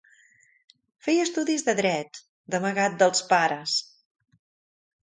Feia estudis de Dret, d’amagat dels pares.